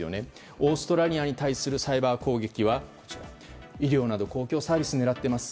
オーストラリアに対するサイバー攻撃は医療など公共サービスを狙っています。